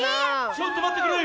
ちょっとまってくれ！